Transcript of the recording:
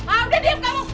ah udah diam kamu